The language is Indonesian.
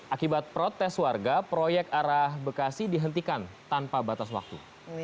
akibat protes warga proyek arah bekasi dihentikan tanpa batas waktu